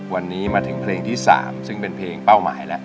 วันนี้มาถึงเพลงที่๓ซึ่งเป็นเพลงเป้าหมายแล้ว